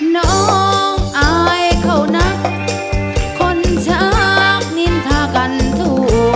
น้องอายเขานักคนชักนินทากันทั่ว